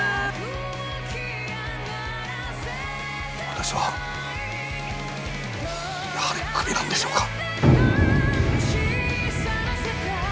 私はやはりクビなんでしょうか？